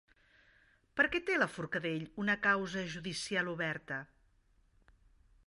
Per què té Forcadell una causa judicial oberta?